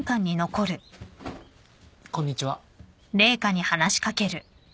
こんにちは。